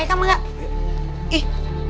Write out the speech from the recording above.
eh kamu enggak ih